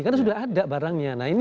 karena sudah ada barangnya